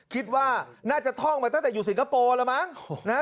คิดว่าน่าจะท่องมาตั้งแต่อยู่สิงคโปร์แล้วมั้งนะฮะ